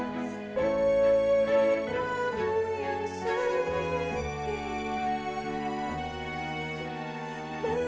bintramu yang sedih